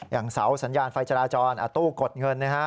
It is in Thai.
อย่างเสาสัญญาณไฟจราจรตู้กดเงินนะฮะ